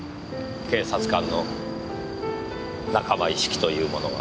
警察官の仲間意識というものは。